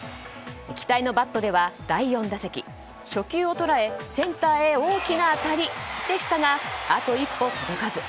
期待のバットでは、第４打席初球を捉えセンターへ大きな当たりでしたがあと一歩届かず。